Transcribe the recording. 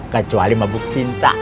kecuali mabuk cinta